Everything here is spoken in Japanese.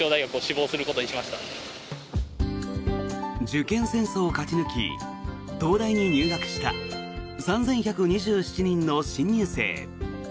受験戦争を勝ち抜き東大に入学した３１２７人の新入生。